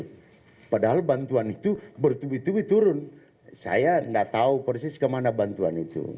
tapi padahal bantuan itu bertubi tubi turun saya tidak tahu persis kemana bantuan itu